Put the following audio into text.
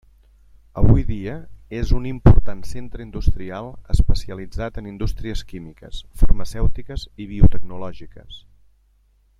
Avui dia és un important centre industrial especialitzat en indústries químiques, farmacèutiques i biotecnològiques.